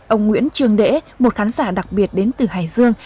ông nguyễn trường đễ một khán giả đặc biệt đến từ hải dương